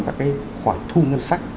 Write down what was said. các cái khoản thu ngân sách